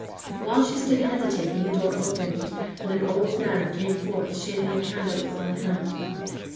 While she stood hesitating the door opened, and an old man came forth shading a candle with one hand.